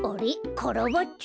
カラバッチョ！